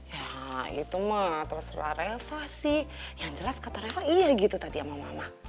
ya itu ma terserah reva sih yang jelas kata reva iya gitu tadi sama mama